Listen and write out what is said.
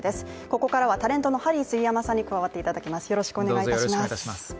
ここからはタレントのハリー杉山さんに加わっていただきます。